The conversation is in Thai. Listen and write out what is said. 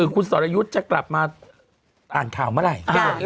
คุณสรยุทธ์จะกลับมาอ่านข่าวเมื่อไหร่